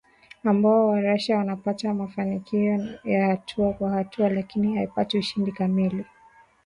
Ambayo wa-Russia wanapata mafanikio ya hatua kwa hatua lakini haipati ushindi kamili